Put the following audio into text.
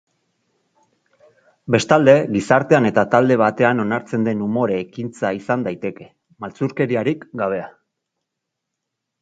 Bestalde, gizartean eta talde batean onartzen den umore ekintza izan daiteke, maltzurkeriarik gabea.